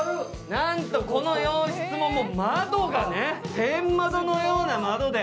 なんとこの洋室も窓が天窓のような窓で。